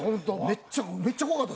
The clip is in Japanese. めっちゃ怖かった。